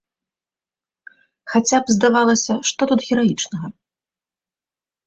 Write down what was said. Хаця б, здавалася, што тут гераічнага?